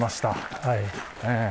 はい。